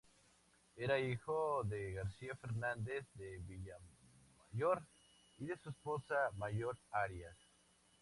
Era hijo de García Fernández de Villamayor y de su esposa Mayor Arias.